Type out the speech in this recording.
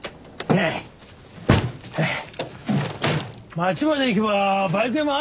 町まで行けばバイク屋もあるぞ。